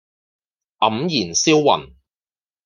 黯然銷魂